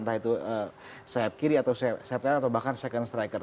entah itu set kiri atau set kanan atau bahkan second striker